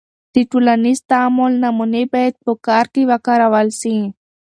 د ټولنیز تعامل نمونې باید په کار کې وکارول سي.